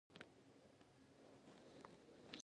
بېنډۍ د سړو ورځو لپاره مناسبه ده